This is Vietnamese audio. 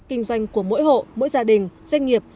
kinh doanh của mỗi hộ mỗi gia đình doanh nghiệp